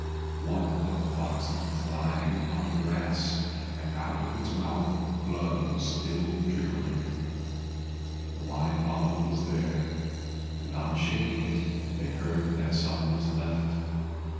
One of the foxes was lying on the grass, and out of its mouth blood was still trickling. The wine bottle was there; and on shaking it they heard that some was left.